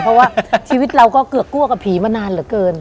เพราะว่าชีวิตเราก็เกือกกลัวกับผีมานานเหลือเกิน